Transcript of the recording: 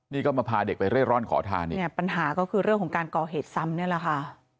นี่ก็มาพาเด็กไปเร่ร่อนขอทานอีกเนี่ยปัญหาก็คือเรื่องของการก่อเหตุซ้ำนี่แหละค่ะ